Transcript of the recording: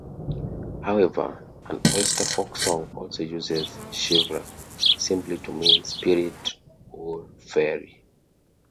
However an Ulster folk song also uses "sheevra" simply to mean "spirit" or "fairy".